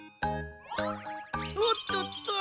おっとっとあた！